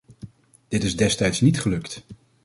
Dit is destijds niet gelukt.